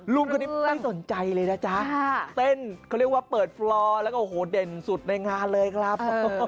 ลุงคนนี้ไม่สนใจเลยนะจ๊ะเต้นเขาเรียกว่าเปิดฟลอร์แล้วก็โอ้โหเด่นสุดในงานเลยครับ